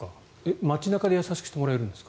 街中で優しくしてもらえるんですか？